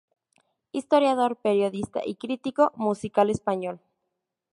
Historiador, periodista y crítico musical español.